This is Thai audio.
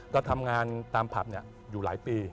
ก็ทำงานตามผับอยู่หลายปี